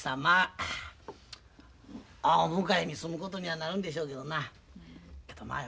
まあお向かいに住むことにはなるんでしょうけどなけど